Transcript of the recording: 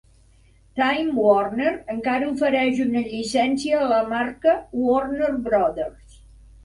Time Warner encara ofereix una llicència a la marca Warner Brothers.